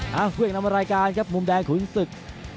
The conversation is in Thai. เอ้าเพื่อนกันมารายการครับมุมแดงขุนศึก